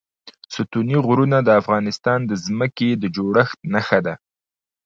ستوني غرونه د افغانستان د ځمکې د جوړښت نښه ده.